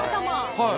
はい。